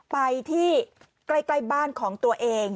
ไปที่ใกล้บ้านของตัวเอง